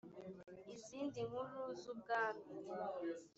izindi nkuru z’ubwami